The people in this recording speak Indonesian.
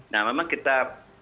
nah memang kita